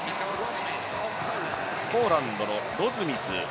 ポーランドのロズミス。